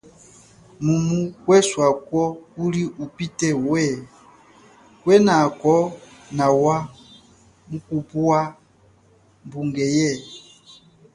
Mumu kweswako kuli upite we, kwenako nawa mukupwa mbunge ye.